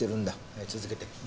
はい続けて。